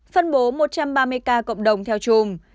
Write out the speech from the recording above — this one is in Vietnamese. phân bố một trăm ba mươi ca cộng đồng theo chùm